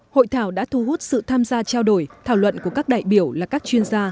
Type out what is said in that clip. hội thảo đã thu hút sự tham gia trao đổi thảo luận của các đại biểu là các chuyên gia